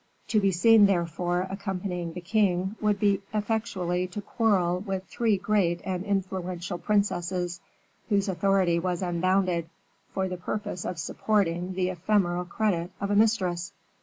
To be seen, therefore, accompanying the king, would be effectually to quarrel with three great and influential princesses whose authority was unbounded for the purpose of supporting the ephemeral credit of a mistress.